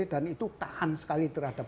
dan itu tahan sekali terhadap